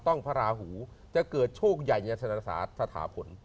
ต้องพระราหูจะเกิดโชคใหญ่ในชะนษาสถาพนธ์